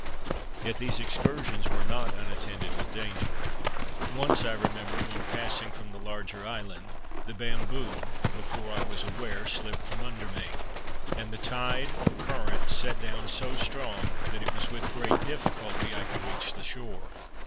Yet these excursions were not unattended with danger. Once, I remember, when, passing from the larger island, the bamboo, before I was aware, slipped from under me; and the tide, or current, set down so strong, that it was with great difficulty I could reach the shore.